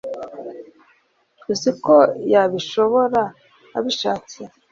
uziko yabishobora abishatse